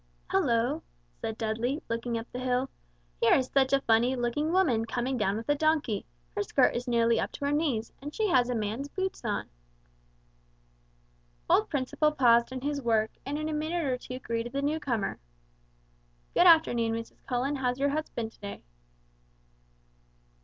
"Hulloo," said Dudley, looking up the hill; "here is such a funny looking woman coming down with a donkey, her skirt is nearly up to her knees, and she has a man's boots on." Old Principle paused in his work, and in a minute or two greeted the newcomer. "Good afternoon, Mrs. Cullen, how's your husband to day?"